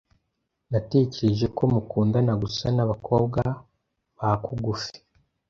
Natekereje ko mukundana gusa nabakobwa bakugufi.